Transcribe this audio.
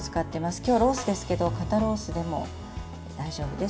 今日はロースですけど肩ロースでも大丈夫です。